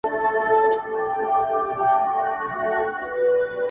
بېګا خوب وینمه تاج پر سر باچا یم,